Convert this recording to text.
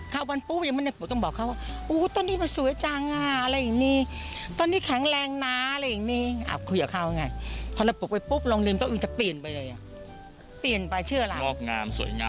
คราวนี้ปุ๊บยังไม่ได้ปลูกต้องบอกเขาว่า